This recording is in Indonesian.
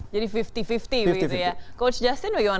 jadi lima puluh lima puluh begitu ya